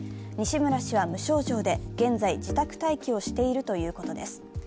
西村氏は無症状で、現在、自宅待機をしているということです。